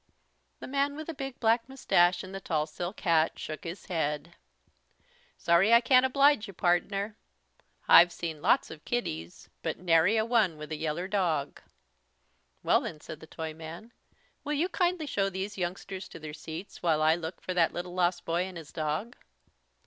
The man with the big black moustache and the tall silk hat shook his head. "Sorry I can't oblige you, pardner. I've seen lots of kiddies but nary a one with a yeller dog." "Well then," said the Toyman, "will you kindly show these youngsters to their seats while I look for that little lost boy and his dog?"